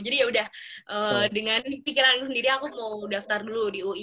jadi yaudah dengan pikiran aku sendiri aku mau daftar dulu di ui